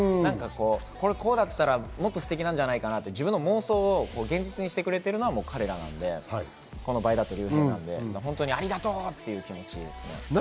これ、こうだったらもっとステキなんじゃないかなって、自分の妄想を現実にしてくれてるのは彼らなのでありがとうという気持ちでした。